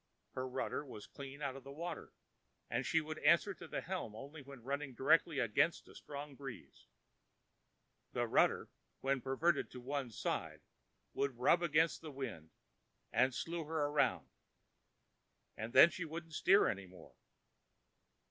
Her rudder was clean out of water and she would answer the helm only when running directly against a strong breeze: the rudder, when perverted to one side, would rub against the wind and slew her around; and then she wouldn't steer any more.